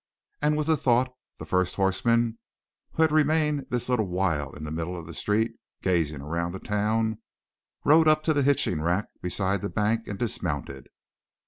And with the thought the first horseman, who had remained this little while in the middle of the street gazing around the town, rode up to the hitching rack beside the bank and dismounted.